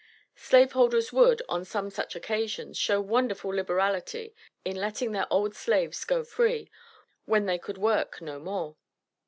Slaveholders would, on some such occasions, show wonderful liberality in letting their old slaves go free, when they could work no more.